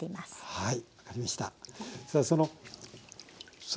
はい。